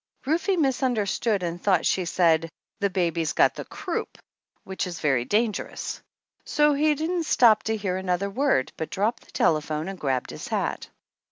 Rufe misunderstood and thought she said, "The baby's got the croup," which is very dangerous. So he didn't stop to hear another word, but dropped the telephone and grabbed his hat.